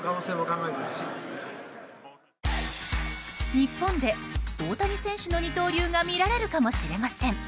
日本で大谷選手の二刀流が見られるかもしれません。